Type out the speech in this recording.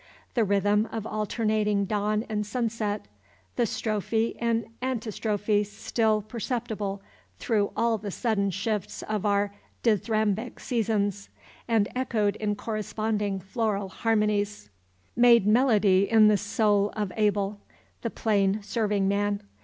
The rhythm of alternating dawn and sunset, the strophe and antistrophe still perceptible through all the sudden shifts of our dithyrambic seasons and echoed in corresponding floral harmonies, made melody in the soul of Abel, the plain serving man.